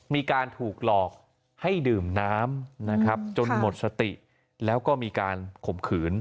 มีการถูกหลอกให้ดื่มน้ำนะครับจนหมดสติแล้วก็มีการข่มขืน